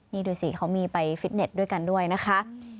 นี่ดูสิเขามีไปฟิตเน็ตด้วยกันด้วยนะคะ